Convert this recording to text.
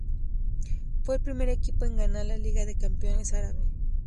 Fue el primer equipo en ganar la Liga de Campeones Árabe.